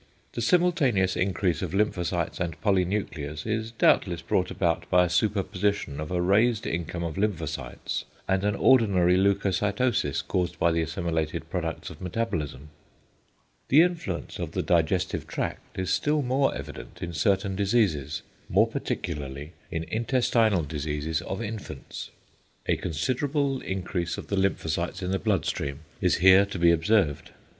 The simultaneous increase of lymphocytes and polynuclears is doubtless brought about by a super position of a raised income of lymphocytes, and an ordinary leucocytosis caused by the assimilated products of metabolism. The influence of the digestive tract is still more evident in certain diseases, more particularly in intestinal diseases of infants. A considerable increase of the lymphocytes in the blood stream is here to be observed.